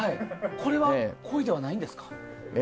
これは、恋ではないんですか？